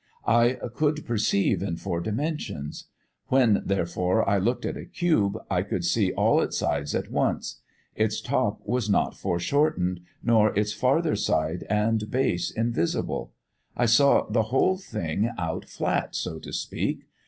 I could perceive in four dimensions. When, therefore, I looked at a cube I could see all its sides at once. Its top was not foreshortened, nor its farther side and base invisible. I saw the whole thing out flat, so to speak.